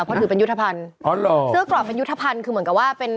เพราะถือเป็นยุทธภัณฑ์อ๋อเหรอเสื้อกรอบเป็นยุทธภัณฑ์คือเหมือนกับว่าเป็น